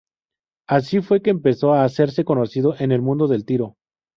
Así fue que empezó a hacerse conocido en el mundo del tiro.